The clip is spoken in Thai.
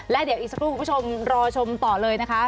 และเดี๋ยวอีกสักครู่คุณผู้ชมรอชมต่อเลยนะคะ